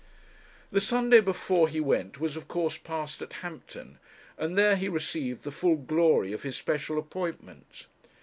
The Sunday before he went was of course passed at Hampton, and there he received the full glory of his special appointment.